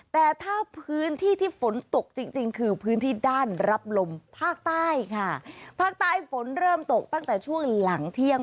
แต่ถ้าพื้นที่ที่ฝนตกจริงจริงคือพื้นที่ด้านรับลมภาคใต้ค่ะภาคใต้ฝนเริ่มตกตั้งแต่ช่วงหลังเที่ยง